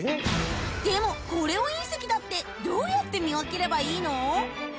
でもこれを隕石だってどうやって見分ければいいの？